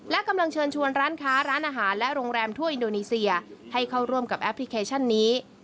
และกำลังเชิญชวนร้านค้าร้านอาหารและโรงแรมถ้วยอินโดนีเซียให้เข้าร่วมกับแอปพลิเคชันนี้